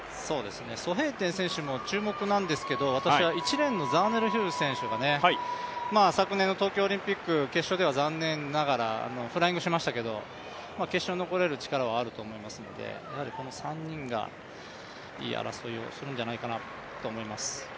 蘇炳添選手も注目なんですけど、私は１レーンのザーネル・ヒューズ選手が昨年の東京オリンピック決勝では残念ながらフライングしましたけど決勝、残れる力はあると思いますのでこの３人がいい争いをするんじゃないかなと思います。